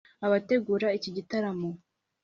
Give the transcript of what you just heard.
Abategura iki gitaramo